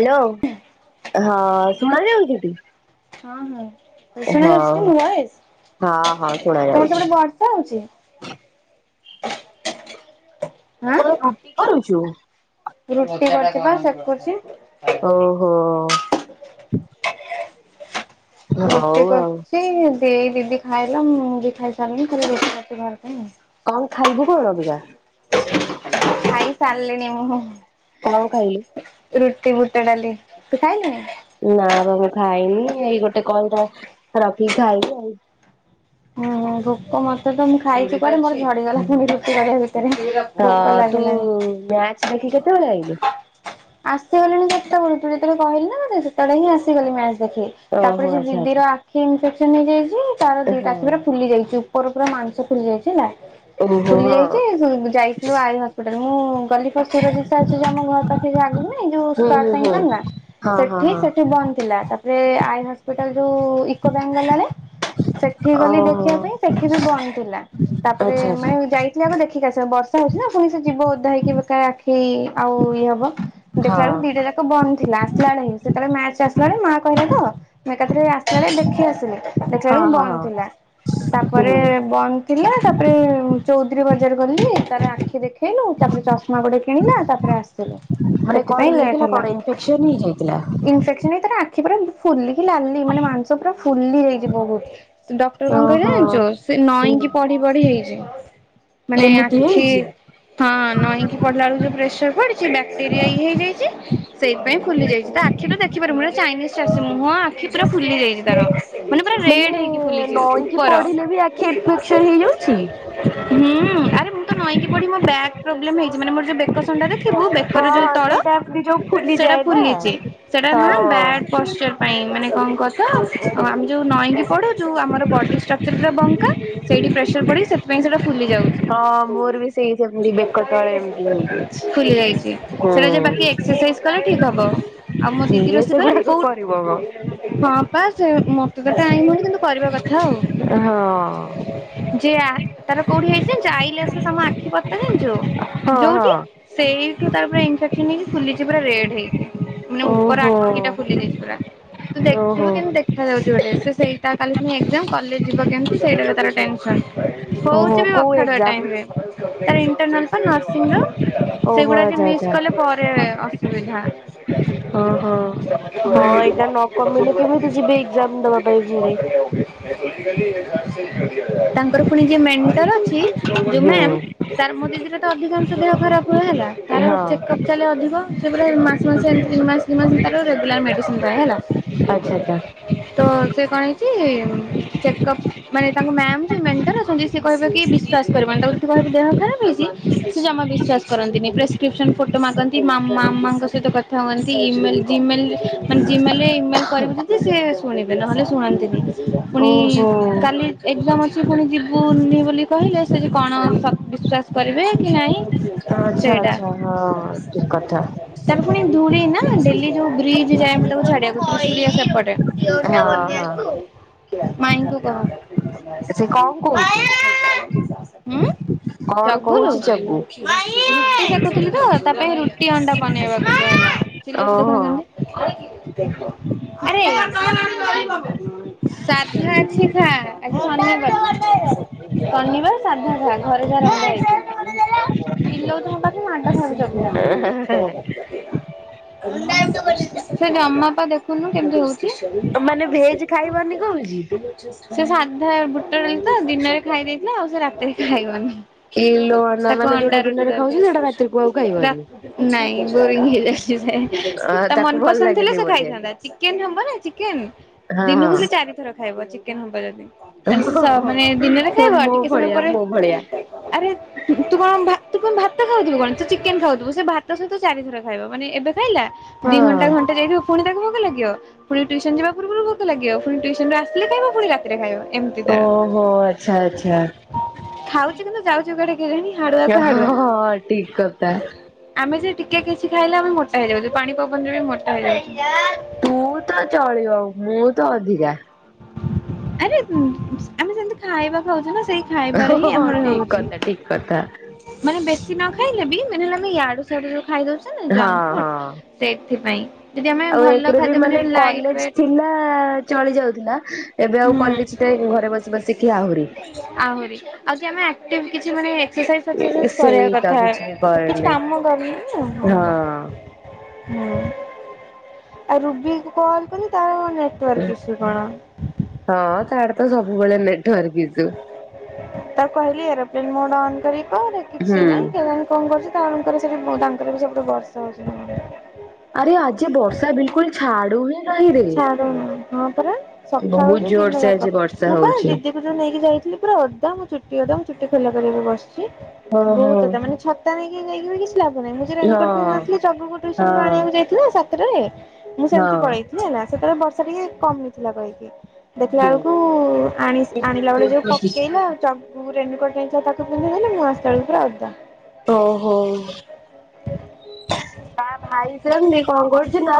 Hello ହଁ ସୁଣା ଯାଉଛି ଟି। ହଁ ହଁ ଶୁଣା ହଁ ଯାଉଛିଟି ମୋ ଭଏସ ହଁ ହଁ ଶୁଣା ତମର ଯାଉଛି। ସେପଟେ ତୁ ବର୍ଷା ହଉଛି। ତୁ ଆଁ କଣ ରୁଟି କରୁଛୁ? ରୁଟି କରୁଛି ବା ସେକୁଚି। ଓହୋ। ହଉ ରୁଟି ଆଉ କରିଛି ଦେଇ ଦିଦି ଖାଇଲା ମୁଁ ବି ଖାଇସାରିଲିନି ଖାଲି ରୁଟି କରଛି ଘର ପାଇଁ ଆଉ। କଣ ଖାଇଲୁ କଣ ଅବିକା? ଖାଇ ସାରିଲିଣି ମୁଁ କଣ ଖାଇଲୁ? ରୁଟି ବୁଟ ଡାଲି ତୁ ଖାଇଲୁଣି? ନା ବା ମୁଁ ଖାଇନି ଏଇ ଗୋଟେ କଲ ଟା ରଖିକି ଖାଇବି ଆଉ। ହୁଁ ହୁଁ ଭୋକ ମତେ ତ ମୁଁ ଖାଇଛି ପରେ ମୋର ଝଡିଗଲା ପୁଣି ରୁଟି କରିବା ଭିତରେ ଭୋକ ହଁ ତୁ ଲାଗିଲାଣିି। ମ୍ୟାଚ୍ ଦେଖି କେତେବେଳେ ଆଇଲୁ? ଆସିଗଲିଣି କେତେବେଳୁ ତୁ ଯେତେବେଳେ କହିଲି ନା ତତେ ସେତେବେଳେ ହିଁ ଆସିଗଲି ମ୍ୟାଚ ଦେଖି। ତାପରେ ଓହୋ ସେ ଆଚ୍ଛା ଦିଦିର ଆଚ୍ଛା। କି ଇନଫେକ୍ସନ ହେଇଯାଇଛି ତାର ଦିଟା ହଁ ଆଖୀପୁରା ଫୁଲି ଯାଇଛି ଉପର ପୁରା ମାଂସ ଫୁଲି ଯାଇଛି ହେଲା। ଓହୋ ଫୁଲି ହଁ ଯାଇଛି ଯାଇଥିଲୁ ଆଇ ହସ୍ପିଟାଲ ମୁଁ ଗଲି [unintelligible] ଆମ ଘର ପାଖରେ ସେ ଯୋଉ ଆଗକୁ ନାଇଁ ଯଉ ହୁଁ ହୁଁ ହୁଁ [unintelligible] ହଁ ହଁ ସେଠି ହଁ ସେଠି ବନ୍ଦ ଥିଲା ତା ତାପରେ ଆଇ ହସ୍ପିଟାଲ ଯୋଉ ୟୁକୋ ବ୍ୟାଙ୍କ ଗଲାବେଳେ ସେଠି ଗଲି ଓହୋ। ଦେଖିବା ପାଇଁ ସେଠି ବି ବନ୍ଦ ଥିଲା ତାପରେ ଆଚ୍ଛା ଆଚ୍ଛା ମାନେ ଯାଇ ମୁଁ ଆଗ ଦେଖିକି ଆସେ ବର୍ଷା ହଉଛି ନା ପୁଣି ସେ ଯିବ ଓଦା ହେଇକି ଵେକାର ଆଖି ଆଉ ଇଏ ହବ। ଦେଖିଲାବେଳକୁ ଦିଟା ଯାକ ବନ୍ଦ ଥିଲା ଆସିଲାବେଳେ ହଁ ସେତେବେଳେ ମ୍ୟାଚ ଆସିଲାଣି ମାଁ କହିଲା ତ। ମୁଁ ଏକାଥରେ ଆସିଲାବେଳେ ଦେଖିଆସିଲି ହଁ ଦେଖିଲାବେଳକୁ ହଁ ବନ୍ଦ ହଁ ଥିଲା ହଁ ତାପରେ ହୁଁ ବନ୍ଦ ଥିଲା ତାପରେ ଚୌଧୁରୀ ବଜାର ଗଲି ତାର ଆଖି ଦେଖେଇଲୁ ତାପରେ ଚଷମା ଗୋଟେ କିଣିଲା ତାପରେ ଆସିଥିଲୁ ମାନେ କଣ ସେଥିପାଇଁ ଲେଟ ହେଇଥିଲା ହେଲା କଣ ଇନଫେକ୍ସନ ହେଇଯାଇଥିଲା? ଇନଫେକସନ ସେ ପୁରା ଫୁଲିକି ଲାଲି ମାନେ ମାଂସ ପୁରା ଫୁଲି ଯାଇଛି ବହୁତ୍। ଡକ୍ଟର କଣ କହିଲେ ଓହୋ ଜାଣିଛ ସେ ନଇଁକି ପଢି ପଢି ହେଇଛି। ମାନେ ଏମିତି ଆଖି ହେଇଛି? ହଁ ନଈକି ପଢିଲାବେଳକୁ ଯୋଉ ପ୍ରେସର ପଡିଛି ନାଁ [unintelligible] ହେଇଯାଇଛି। ସେଇଥିପାଇଁ ଇଁ ଫୁଲି ଯାଇଛି ତା ଆଖିରୁ ଦେଖିପାରିବ ମୁଁ ଚାଇନିଜ ଚାଷୀ ମୁହଁ ଆଖି ପୁରା ଫୁଲି ଯାଇଛି ତାର। ମାନେ ପୁରା ରେଡ ହେଇକି ଫୁଲିଛି ନଈଁକି ଉପର ପଢିଲେ ବି ଆଖି ଇନଫେକ୍ସନ ହେଇଯାଉଛି? [unintelligible] ହୁଁ ଆରେ ମୁଁ ତ ନଈଁକି ପଢି ମୋ ବେକ ପ୍ରୋବ୍ଲେମ ହେଇଛି ମାନେ ମୋର ଯୋଉ ବେକସନ୍ଧା ଦେଖିବୁ ହଁ [unintelligible] ଯୋଉ ହଁ ତଳ ସେଇଟା ଏମତି ଯୋଉ ସେଟା ଫୁଲିଯାଏ ନା। ଫୁଲିଛି ସେଟା ନୁହେଁ ହଁ ବା ପରଚର୍ ପାଇଁ ମାନେ କଣ କଥା ଆଉ ଆମେ ଯୋଉ ନଇଁକି ପଢ଼ୁଛୁ ଆମର ବଡ଼ି ଷ୍ଟ୍ରକ୍ଚର ପୁରା ବଙ୍କା ସେଇଠି ପ୍ରେସର ପଡ଼ିକି ସେଥିପାଇଁ ସେଇଟା ଫୁଲିଯାଉଛି। ହଁ ମୋର ବି ସେଇ ସେମିତି ବେକ ତଳେ ଏମିତି ହେଇଯାଇଛି। ଫୁଲିଯାଇଛି। ସେଟା ଯଉ ବାକି ହୁଁ ଏକ୍ସରସାଇଜ କଲେ ଠିକ ହବ, ଆଉ ମୋ କିଏ ଦିଦିର ସେଥିରେ ସେଗୁଡାକ କରିବ ମ। [unintelligible] ହଁ ପା ସେ ମତେ ତେ ଆଇିବୁନ କିନ୍ତୁ କରିବା କଥା ଆଉ। ହଁ ଯେ ତାର କୋଉଠି ହେଇଛି ଜାଣିଛୁ, ଆଇଲେସ ସାମ ଆଖି ପତା ଜଣିଛୁ? ହଁ ହଁ ସେଇଠୁ ତାର ପୁରା ଇନଫେକ୍ସନ ହେଇକ ଫୁଲିଛି ପୁରା ରେଡ୍ ହେଇକି। ମାନେ ଉପର ଓହୋ ଆଖିଟା ଫୁଲି ଯାଇଛି ପୁରା, ତୁ ଓହୋ ଦେଖିବୁ କିନ୍ତୁ ଦେଖୁ ଦେଖାଯାଉଛି ଗୋଟେ ସେଇଟା କାଲି ପୁଣି ଏକ୍ଜାମ କଲେଜ ଯିବ କେମିତି ସେଇଟା ତାର ଟେନସନ୍। ଓହୋ ହଉଛି ବି କୋଉ ଅଖାଡୁଆ ଏକ୍ଜାମ? ଟାଇମରେ ତାର ଇଣ୍ଟରନାଲ ତ ନର୍ସିଂ ର ଓହୋ ସେଗୁଡା ଆଚ୍ଛା ମିସ୍ ଆଚ୍ଛା କଲେ ପରେ ଅସୁବିଧା, ଓହୋ। [unintelligible] ହୁଁ। ହଁ ଏଇଟା ନ କମିଲେ କେମିତି ଯିବେ ଏକ୍ଜାମ ଦବା ପାଇଁ ପୁଣି? [unintelligible] ତାଙ୍କର ପୁଣି ଯିଏ ମେଣ୍ଟର ଅଛି ଯଉ ହୁଁ। ମେମ୍ ତା ମୋ ଦିଦିର ତ ଅଧିକାଂଶ ଦେହ ଖରାପ ହୁଏ ହେଲା। ହଁ ତାର ଚେକଅପ୍ ଚାଲେ ଅଧିକ ସେପଟରେ ମାସ ମାସେ ଏମିତି ତିନି ମାସ ଦୁଇ ମାସରେ ତାର ରେଗୁଲାର ମେଡ଼ିସିନ୍ ଯାଏ ହେଲା। ଆଚ୍ଛା ଆଚ୍ଛା ତ ସେ କଣ ହେଇଛି ଚେକଅପ ମାନେ ତାଙ୍କ ମ୍ୟାାମ ଯିଏ ମେଣ୍ଟର ଅଛନ୍ତି ସେ କହିବେ କି ବିଶ୍ୱାସ କରିବନି, ତାକୁ ଯଦି କହିବ ଦେହ ଖରାପ ହେଇଛି ସେ ଜମା ବିଶ୍ଵାସ କରନ୍ତିନି ପ୍ରେ ଫଟୋ ମାଗନ୍ତି ମାମା ମାମାଙ୍କ ସହିତ କଥା ହୁଅନ୍ତି ଇମେଲ ଜିମେଲ ମାନେ ଜିମେଲ ଇମେଲ୍ କରିବୁ ଯଦି ସେ ଶୁଣିବେ ନହେଲେ ଶୁଣନ୍ତିନି ପୁଣି ଓହୋ କାଲି ଏକ୍ସାମ ଅଛି ପୁଣି ଯିବୁନି ବୋଲି କହିଲେ ସେ ଯେ କଣ ବିଶ୍ଵାସ କରିବେ କି ନାହିଁ। ଆଚ୍ଛା ସେଇଟା। ଆଚ୍ଛା ହଁ, ଠିକ୍ କଥା। ତାପରେ ପୁଣି ଧୂଳି ନା ଡେଲି ଯୋଉ ବ୍ରିଜ ଯାଏ ମୁ ତାକୁ ଛାଡିବାକୁ ଆକୁଳିଆ ସେପଟେ। ହଁ ହଁ। [unintelligible] ମାଇଙ୍କୁ କହ। ସେ କଣ କହୁଛି ଉଁ କଣ ଚଗୁଲୁ କହୁଛି ଚଗୁ ଖୁଥିଲି ତ ତା ପାଇଁ ରୁଟି ଅଣ୍ଡା ବନେଇବାକୁ ଚିଲୋଉ ଦେଖୁନ ଓହୋ। କେମିତି? ଆରେ ସାଧା ଅଛି ଖା ଆ ଶନାର ଶନିବାର ସାଧା ଖା। ଘରେ ଯାହା ରା ହେଇଛି ଚହ ଲଉଛୁ ମୋ ପାଖରେ ମାଣ୍ଟ ସି ସେଠି ଅମା ବାପା ଦେଖୁନୁ କେମତି ହଉ ମାନେ ଭେଜ ଖାଇବନି କହୁଛି ସେ ସାଧା ବୁଟଡାଲି ତ ଦିନରେ ଖାଇ ଦେଇଥିଲା ଆଉ ସେ ରାତିରେ ଖାଇବନି। ଇ ଲୋ ନା ତାକୁ ମାନେ ଅଣ୍ଡା ଯୋଉଟା ରୁଟି ଦିନରେ ଖାଉଛି ଦରକାର। ସେଇଟା ରାତିରେ କୁ ଆଉ ରା ଖାଇପାରୁନି? ନାଇଁ ବୋରିଂ ହେଇଯାଉଛି ଅ ଯେ ତା ତାକୁ ଭଲ ମନପସନ୍ଦ ଥିଲା ଲାଗେନି ସେ ବୋଧେ ଖାଇଥାନ୍ତା। ଚିକେନ ହବ ନା ଚିକେନ ହଁ ଦିନକୁ ହଁ। ସେ ଚାରିଥର ଖାଇବ ଚିକେନ ହବ ଯଦି ହଁ। ମାନେ ଦିନରେ ଖାଇବ ମୋ ଟିକେ ସମୟ ଭଳିଆ ପରେ ମୋ ଭଳିଆ ଆରେ ତୁମ ଭା ତୁ ଭାତ ଭାତ ଖାଉଥିବ କଣ ସେ ଚିକେନ ଖାଉଥିବ ସେ ଭାତ ସହିତ ଚାରିଥର ଖାଇବା ମାନେ ଏବେ ଖାଇଲା ହଁ ଦି ଘଣ୍ଟା ଘଣ୍ଟେ ଯାଇ ପୁଣି ତାକୁ ଭୋଗ ଲାଗିବ ପୁଣି ଟିଉସନ ଯିବା ପୂର୍ବରୁ ଭୋକ ଲାଗିବ ପୁଣି ଟିଉସନ ରୁ ଆସିଲେ ଖାଇବ ପୁଣି ଖାଇବ ଏମିତି ଓହୋ ଆଚ୍ଛା ତାର ଆଚ୍ଛା। ଖାଉଛି କିନ୍ତୁ ଯାଉଛି କୁଆଡେ ଣି ହାଡୁଆ କୁ ହାଡୁଆ। ହଁ ଠିକ କଥା। ଆମେ ଯେ ଟିକେ କିଛି ଖାଇଲେ ଆମେ ମୋଟା ହେଇଯାଉଛେ ପାଣି ପବନରେ ବି ମୋଟା ହେଇଯାଉଛେ ତୁ ତ ଚଳିବ ମୁଁ ତ ଅଧିକା ଆରେ ଆମେ ଯେମତି ଖାଇବା ଖାଉଛେ ନା ସେଇ ଖାଇବାର ହିଁ ହଁ ଆମର ଠିକ ହେଉଛି। କଥା ଠିକ କଥା ମାନେ ବେଶୀ ନ ଖାଇଲେ ବି ମାନେ ହେଲେ ଆମେ ୟାଡୁ ସିଆଡୁ ଖାଇ ଦଉଛେ ନା ଜଙ୍କ ହଁ ଫୁଡ ହଁ। ସେଥିପାଇଁ ଆଉ ଏମିତି ରେ ବି ମାନେ କଲେଜ ଥିଲା ଚଳି ଯାଉଥିଲା ଏବେ ଆଉ ହୁଁ କଲେଜ ଟାଇମ ଘରେ ବସି ବସିକି ଆହୁରି ଆହୁରି ଆଉ କି ଆମେ କିଛି ମାନେ ଏକ୍ସସାଇଜ ସଚ କରିବା ସେଇ ତ କଥା କିଛି ବି କିଛି କରନି କାମ କରୁନି ନା ହଁ ଆଉ ରୁବି କୁ କଲ କରି ତାର କଣ ଇସୁ କଣ? ହଁ ତାର ତ ସବୁବେଳେ ନେଟୱର୍କ ଈଶୁ। ତାକୁ କହିଲି ଏରୋପ୍ଲେନ ମୋଡ ଅନ୍ କରି କରେ କିଛି ହୁଁ। ନାଇଁ କଣ କରୁଛି ତାଙ୍କର ସେଠି ତାଙ୍କର ବି ସେପଟେ ବର୍ଷା ହଉଛି ଆରେ ଆଜି ବର୍ଷା ବିଲକୁଲ ଛାଡୁନି ଛାଡୁନି ହଁ ପରା ସକାଳୁ ବହୁତ ଉଛି ଜୋର ଦିନ ସେ ଯାକ ଆଜି ବର୍ଷା ମୁଁ ପା ହଉଛି। ଦିଦ ନେଇକି ଯାଇଥିଲି ପୁରା ଓଦା ମୁଁ ଚୁଟି ଓଦା ମୁଁ ଚୁଟି ଖୋଲା କରିକି ବସିଛି। ହଁ ହଁ ବହୁତ କ ମାନେ ଛତା ନେଇକି ଯାଏକି କିଛି ଲାଭ ନାହିଁ ମୁଁ ହଁ ରେନକୋଟ ନ ଥିଲ ଚଗୁକୁ୍ ଟିୟୁସନ ରୁ ଆଣିବାକୁ ହଁ ଯାଇ ଥିଲା ସାତଟରେ ମୁଁ ସେମିତି ପଳେଇଥିଲି ହେଲା ସେତବେଳେ ବର୍ଷା ଟିକେ କମ ନଥିଲା କହିକି ଦେଖିଲା ବେଳକୁ ଆଣିଲା ବେଳେ ଯୋଉ ହଁ। ପକେଇଲା ଆଉ ମୁଁ ରେନକୋଟ ତାକୁ ପିନ୍ଧେଇ ଦେଲି ମୁଁ ଆସିଲା ବେଳକୁ ପୁରା ଓଦା। ଓହୋ! ତା ଭାଇ ସେମିତି କଣ କରୁଛି ନା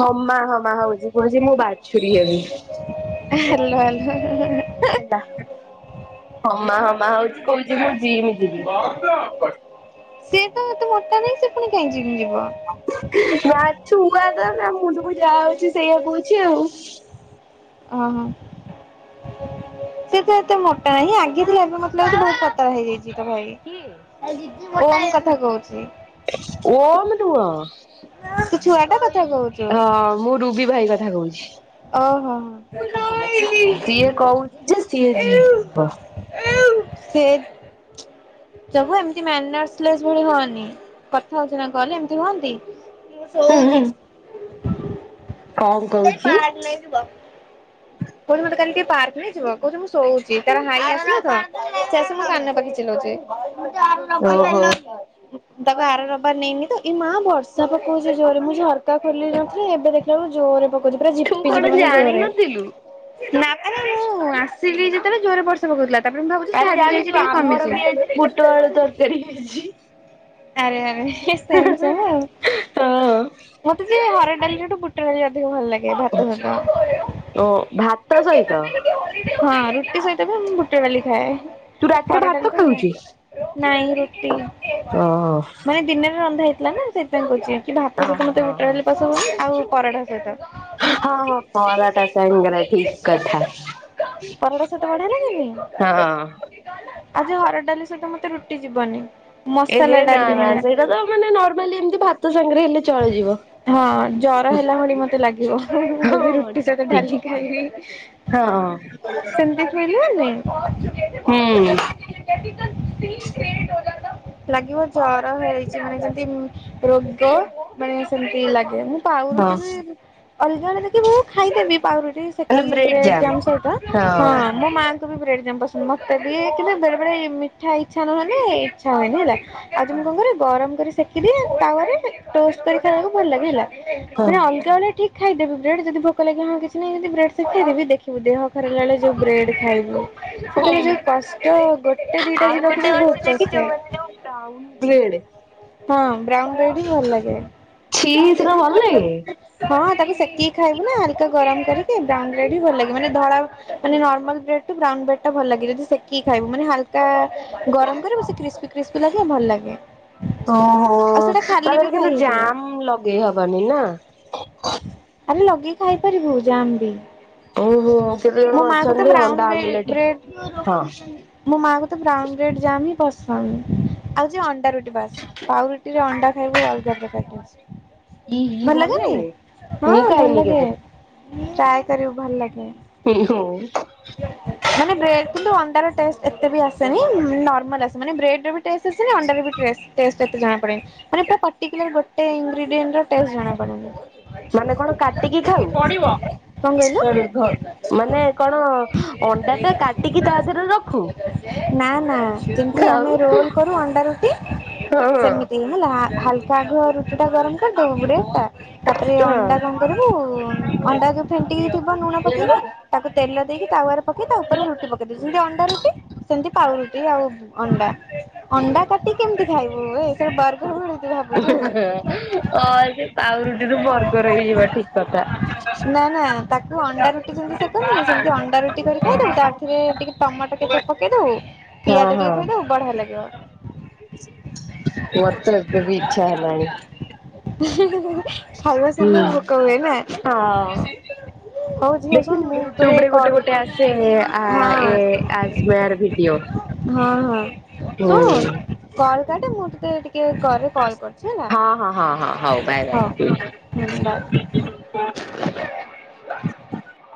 ହମା ହ ମା ହଉଚି କୁହଛି ମୁଁ ବାଛୁରୀ ହେବି। Hello hello! ହେଲା ହମା ହମା ହଉଛି କହୁଛି ମୁଁ ଯିମ୍ ଯିବି। ସିଏ ତ ଏତେ ମୋଟା ନାହିଁ ସେ ପୁଣି କାଇଁ ଜିମ ଯିବ? ମା ଛୁଆ ତ ନା ମୁଁଣ୍ଡକୁ ଯାହା ଆଉଚି ସେଇଆ କହୁଛି ଆଉ। ଓହୋ! ସେ ତ ଏତେ ମୋଟା ନାହିଁ ଆଗେ ଥିଲା ଏବେ ମତେ ଲାଗୁଚି ପୁଣି ପତଳା ହେଇଯାଇଚି ତା ଭାଇ। କିଏ? ଓ଼ମ କଥା କହୁଛି। ଓମ୍ ନୁହଁ। ତୁ ଛୁଆ ଟା କଥା କହୁ ହଁ ମୁଁ ରୁବି ଭାଇ କଥା କହୁଛି। ଓହୋ ହୋ! ଇଏ କହୁଛି ଯେ ସିଏ ଜିମ୍ ଯିବ। ସେ [unintelligible] ପ୍ରଭୁ ଏମତି ମ୍ୟାନରସ ଲେସ ଭଳି ହଅନି, କଥା ହଉଛି କଲରେ ଏମିତି ହଅନ୍ତି। କିଏ ଶୋଉଚି। କଣ କାଲି କହୁଛି? କହୁଚି ମତେ କାଲି ଟିକେ ପାର୍କନେଇଯିବ କହୁଛି ମୁଁ ଶୋଉଛି ତାର ହାଇ ଆସିଲାତ ସେ ଆସି ମୋ କାନ ପାଖେ ଚିଲଉଛି। ଓହୋ ଆବ [inaudible] ତାକୁ ଆର ରବାର ନେଇନି ତ ଏଇ ମା ବର୍ଷା ପକଉଛି ଜୋରରେ ମୁଁ ଝରକା ଖୋଲି ନଥିଲି ଏବେ ଦେଖ [inaudible] ଜୋରେ ପକଉଛି ପୁରା ଝିପ ତୁ କଣ ଜାଣିନଥିଲୁ? ନା ପରା ମୁଁ ଆସିଲି ଯେତେବେଳେ ଜୋରରେ ବର୍ଷା ପକଉଥିଲା ତାପରେ ମୁଁ ଭାବ ଆରେ ଜାଣିଛୁ ଆମର ବି ଆଜି ବୁଟଆଳୁ ତରକାରୀ ହେଇଛି। ଆରେ ଆରେ ସେମ ସେମ ଆଉ। ହଁ। ମତେ ଯେ ହରଡ଼ ଡାଲିଠାରୁ ବୁଟଡାଲି ଅଧିକ ଭଲ ଲାଗେ ଭାତ ସହିତ। ଓ ଭାତ ସହିତ ହଁ ରୁଟି ସହିତ ବି ମୁଁ ବୁଟ ଡାଲି ଖାଏ। ତୁ ରାତିରେ ହରଡ଼ ଭାତ ଡାଲି ତ ଖାଉଛୁ? ନୁହୁଁ ନାଇଁ ରୁଟି। ହଁ। ମାନେ ଦିନରେ ରନ୍ଧା ହେଇଥିଲା ନା ସେଇଥିପାଇଁ କହୁଛି କି ଭାତ ସହିତ ମତେ ଓହୋ ହଁ ହଁ ବୁଟଡାଲି ପଶନ୍ଦକି ଆଉ ପରଟା ସହିତ। ହଁ ହଁ ପରଟା ସ ତାଙ୍ଗର ଠିକ କଥା ହଁ। ପରଟା ଆଜି ହରଡ଼ ଡାଲି ସହିତ ମତେ ରୁଟି ଯିବନି। ଏହେ ମସଲା ନା ଡାଲି ନା ମାନେ ସେଇଟା ତ ମାନେ ନର୍ମାଲି ଏମତି ଭାତ ସାଙ୍ଗରେ ହେଲେ ଚଳିଯିବ। ହଁ ଜର ହେଲା ଭଳି ମତେ ଲାଗିବ ହଁ ଯଦି ହଁ ରୁଟି ଠିକ ସହିତ ଠିକ ଡାଲି। ା ହଁ ସେମିତି [inaudible] ଫେରିବନି? ହୁଁ ଲାଗିବ ଜର ହେଇଛି ମାନେ ଯଦି ରୋଗ ମାନେ ସେମିତି ଲାଗେ ମୁଁ ପାଉରୁଟି ହଁ ବି ଅଲଗା ବେଳେ ଦେଖିବୁ ଖାଇଦେବି ପାଉରୁଟି ମାନେ ସେକିକି ବ୍ରେଡ ଜାମ୍ ଜାମ ସହିତ ହଁ ମୋ ମା ମତେ ବି ବ୍ରେଡ ରେ ପସନ୍ଦ ମତେବି ବେଳେବେଳେ ମିଠା ଇଛା ନୁଁହ ଜେ ଇଚ୍ଛା ହୁଏନି। ଆଜି ମୁଁ କଣ ହଁ କରେ ଗରମ କରି ସେକିଦିଏ ତାୱାରେ ଟୋଷ୍ଟ କରି ଖାଇବାକୁ ଭଲ ଲାଗେ ହେଲା। ମାନେ ଅଲଗାଏଳେ ଠିକ ଖାଇଦେବି ବ୍ରେଡ ଯଦି ଭୋକ ଲାଗେ ହଁ କିଛି ମାନେ ଏମତି ବ୍ରେଡ଼ ସେକିଦେବି ଦେଖିବୁ ଦେହଖରାପ ହେଲାବେଳେ ଜଉ ବ୍ରେଡ଼ ଖାଇବୁ ସେଥିରେ ହୁଁ ଯୋଉ କଷ୍ଟ ଗୋଟେ ଦିଟା ଆଉ ଦିନକୁ ଗୋଟେ ବି ଅଛି ବହୁତ ଦେଖିଛୁ କଷ୍ଟ ମାନେ ହ ଯୋଉ ବ୍ରାଉନ ବ୍ରେଡ। ହଁ ବ୍ରାଉନ ବ୍ରେଡ ହି ଭଲ ଛି ସେଟା ଭଲ ଲାଗେ। ଲାଗେ ହଁ, ତାକୁ ସେକିକି ଖାଇବୁ ନା [unintelligible] ଗରମ କରିକି ବ୍ରାଉନ୍ ବ୍ରେଡ ବି ଭଲ ଲାଗେ। ମାନେ, ଧଳା ମାନେ ନର୍ମାଲ ବ୍ରେଡ୍ ଟି ବ୍ରାଉନ୍ ବ୍ରେଡ ଟା ଭଲ ଲାଗେ। କି ଖାଇବୁ ମାନେ, ହାଲକା ଗରମ କର [unintelligible] ଲାଗିବ ଭଲ ଲାଗେ। ଓହୋ, ଆଉ ସେଇଟା ତା ଖାଲି ବି ଦେହରେ ଖାଇ କିନ୍ତୁ ହେଇଯିବ। ଜମ୍ ଲଗେଇ ହବନି ନା? ଆରେ, ଲଗେଇ ଖାଇପାରିବୁ, ଯାମ୍ ବି। ଓହୋ କେତେ ଜଣ ମୋ ମାକୁ ତ ଅଛନ୍ତି ଅଣ୍ଡା ବ୍ରାଉନ୍ ବ୍ରେ ଆମଲେଟ ବ୍ରେଡ ହଁ। ମୋ ମାଆ କୁ ତ ବ୍ରାଉନ୍ ବ୍ରେଡ୍ ଜାମ୍ ହିଁ ପସନ୍ଦ, ଆଉ ଯେ ଅଣ୍ଡା ରୁଟି ବାସ୍। ପାଉଁରୁଟିରେ ଅଣ୍ଡା ଖାଇବକୁ ଅଲଗା ପ୍ରକାର ଟେଷ୍ଟ। ଇ ଇ ଭଲ ଲାଗେନି? ଲାଗେ? ହଁ, ମୁଁ ଭଲ ଖାଇନି ଲାଗେ। କେବେ ଚାଏ କରିବା ଭଲ ଲାଗେ। [unintelligible] ମାନେ, ବ୍ରେଡ କିନ୍ତୁ ଅଣ୍ଡାର ଟେଷ୍ଟ ଏତେ ବି ଆସେନି, ନର୍ମାଲ ଆସେ, ମାନେ ବ୍ରେଡ ଟେଷ୍ଟ ଅଛି ନା, ଅଣ୍ଡାରରେ ବି ଟେଷ୍ଟ, ଟେଷ୍ଟ ଏତେ ଜଣା ପଡ଼େନି। ମାନେ, ପର୍ଟିକୁଲାର ଗୋଟେ [unintelligible] ଟେଷ୍ଟ ଜଣା ପଡୁନି। ମାନେ, କଣ କାଟିକି ଖାଉ ପଡିବ? କଣ କହିଲୁ? [inaudible] ମାନେ, କଣ ଅଣ୍ଡାଟା କାଟିକି ତା ଦେହରେ ରଖୁ? ନା ନା, ଯେମିତି ଖାଉ ଆମେ ରୋଲ କରୁ ଅଣ୍ଡା ରୁଟି, ହଁ ହଁ। ସେମିତି। [unintelligible] ହାଲକା ରୁଟିଟା ଗରମ କରିଦେବୁ ବ୍ରେଡ଼୍ ଟା, ତାପରେ ହଁ ଅଣ୍ଡା କଣ କରିବୁ? ଅଣ୍ଡା ଯଉ ଫେଣ୍ଟିକି ଥିବ, ଲୁଣ ପକେଇକି ତାକୁ ତେଲ ଦେଇକି ତାୱରେ ପକେଇ, ତା ଉପରେ ରୁଟି ପକେଇ ଦଉଛନ୍ତି, ଯେମତି ଅଣ୍ଡା ରୁଟି। ସେମିତି ପାଉଁରୁଟି ଆଉ ଅଣ୍ଡା ଅଣ୍ଡା କା- ଟି କେମିତି ଖାଇବୁ, [inaudible] ଭାବୁଛୁ। ହଁ, ଏବେ ପାଉଁ ରୁଟି ରୁ ବର୍ଗର ହେଇଯିବା, ଠିକ୍। [unintelligible] ନା ନା, ତାକୁ ଅଣ୍ଡା ରୁଟି ଯେମିତି ସେକନ୍ତିନି, ସେମିତି ଅଣ୍ଡା ରୁଟି କରି ଖାଇଦବୁ। ତା ଧିଅରେ ର ଟିକେ ଟମାଟୋ [inaudible] ପକେଇ ପକେଇଦବୁ, ହଁ ପିଆଜ ଟିକେ ହଁ ଥୋଇଦବୁ, ବଢିଆ ଲାଗିବ। ମତେ ଏବେ ବି ଇଚ୍ଛା ହେଲାଣି। [unintelligible] ଖାଇବା ହୁଁ ସାରିଲେ ଭୋକ ହୁଏ ନା? ହଁ। ହଉ ଝିଅ ଶୁଣ ଦେଖିନୁ, ମୁଁ ତୋତେ ୟୁଟ୍ୟୁବ ରେ ଗୋଟେ କରୁ ଗୋଟେ ଆସେ ଆ ଏ ହଁ ଆଜଓଆର ଭିଡିଓ। ହଁ ହଁ, ହୁଁ ଶୁଣୁ। କଲ୍ କାଟେ, ମୁଁ ଟିକେ ଟିକେ କରେ। ହଁ ହଁ, ହଁ ହଁ। ହଉ, ବାଏ ବାଏ। ହୁଁ, ବାଏ। [inaudible]